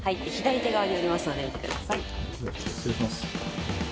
失礼します。